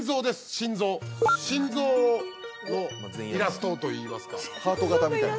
心臓心臓のイラストといいますかハート形みたいな？